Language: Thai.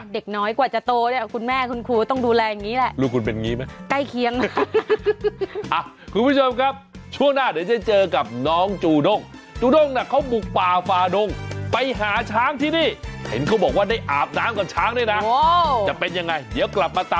เด็กน้อยกว่าจะโตคุณแม่คุณครูต้องดูแลอย่างนี้แหละ